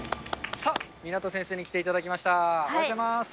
さあ、湊先生に来ていただきました。